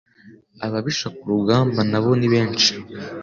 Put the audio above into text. ababisha ku rugamba nabo ni benshi